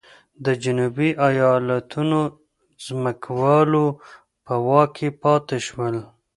د جنوبي ایالتونو ځمکوالو په واک کې پاتې شول.